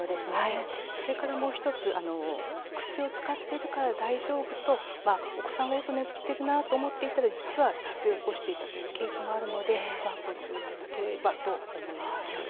それからもう１つ薬を使っているから大丈夫とお子さんがよく眠っているなと思っていたら実は脱水を起こしていたというケースもあるのでご注意いただければと思います。